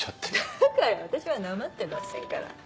だから私はなまってませんから。